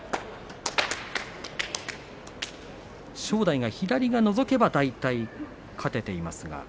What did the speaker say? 正代、左がのぞけば大体、勝っています。